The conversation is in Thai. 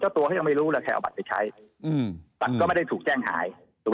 ตัวเขายังไม่รู้แล้วใครเอาบัตรไปใช้บัตรก็ไม่ได้ถูกแจ้งหายถูกไหม